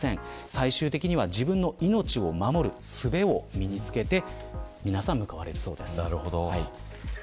最終的には自分の命を守るすべを身につけて皆さん、向かわれるそうです。